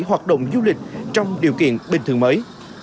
hoạt động du lịch trong điều kiện bình thường mới